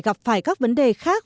gặp phải các vấn đề khác